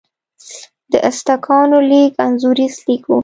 د ازتکانو لیک انځوریز لیک و.